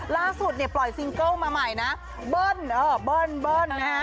ล่าสุดเนี่ยปล่อยซิงเกิ้ลมาใหม่นะเบิ้ลเออเบิ้ลเบิ้ลนะฮะ